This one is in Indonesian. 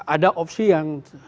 ada opsi yang